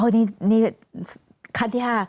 อ๋อนี่คันที่๕